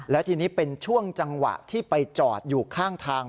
และทีนี้เป็นช่วงจังหวะที่ไปจอดอยู่ข้างทาง